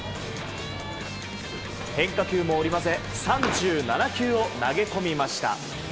変化球も織り交ぜ３７球を投げ込みました。